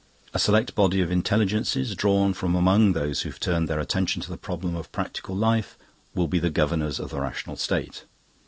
A select body of Intelligences, drawn from among those who have turned their attention to the problems of practical life, will be the governors of the Rational State.